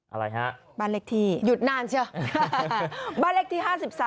อะไรฮะหยุดนานเช่าบ้านเล็กที่๕๓